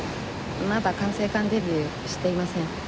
まだ管制官デビューしていません。